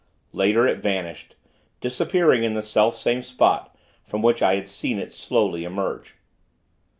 Later it vanished, disappearing in the self same spot from which I had seen it slowly emerge.